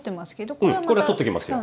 これは取っておきますよ。